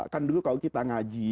kan dulu kalau kita ngaji